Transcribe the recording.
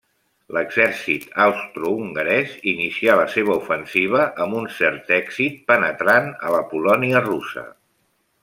L'exèrcit austrohongarès inicià la seva ofensiva amb un cert èxit, penetrant a la Polònia russa.